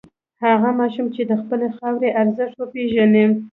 هغه ماشوم چې د خپلې خاورې ارزښت وپېژني.